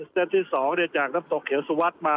เต็ตที่๒จากน้ำตกเขียวสุวัสดิ์มา